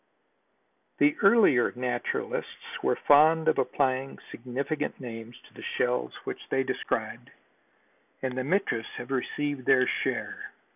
The earlier naturalists were fond of applying significant names to the shells which they described and the Mitras have received their share.